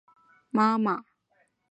外婆和妈妈